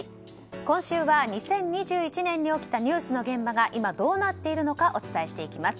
今週は２０２１年に起きたニュースの現場が今、どうなっているのかお伝えしていきます。